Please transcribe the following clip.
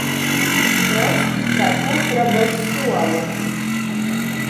Sprosts kai putra bez suoļa.